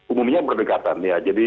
umumnya berdekatan ya